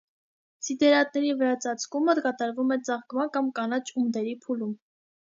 Սիդերատների վարածածկումը կատարվում է ծաղկման կամ կանաչ ունդերի փուլում։